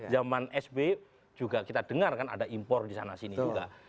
zaman sby juga kita dengar kan ada impor di sana sini juga